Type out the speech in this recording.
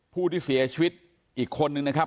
ผู้ที่เสียชีวิตอีกคนนึงนะครับ